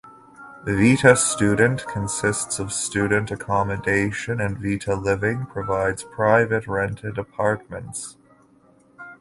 Vita Student consists of student accommodation and Vita Living provides private rented apartments.